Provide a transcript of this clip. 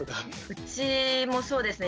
うちもそうですね。